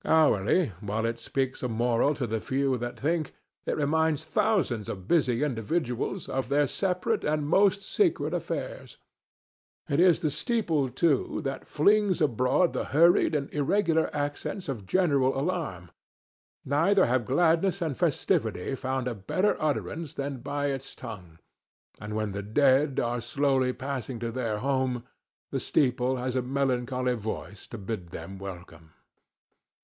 Hourly, while it speaks a moral to the few that think, it reminds thousands of busy individuals of their separate and most secret affairs. It is the steeple, too, that flings abroad the hurried and irregular accents of general alarm; neither have gladness and festivity found a better utterance than by its tongue; and when the dead are slowly passing to their home, the steeple has a melancholy voice to bid them welcome.